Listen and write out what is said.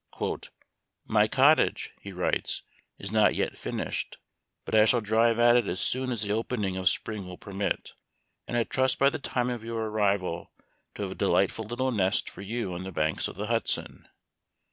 " My cottage," he writes, " is not yet finished, but I shall drive at it as soon as the opening of spring will permit, and I trust by the time of your arrival to have a delightful little nest for you on the banks of the Hudson.